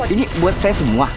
ini buat saya semua